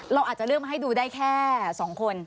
เราอาจจะเลือกมาให้ดูได้แค่๒คน